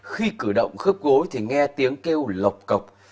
khi cử động khớp gối thì nghe tiếng kêu lọc cọc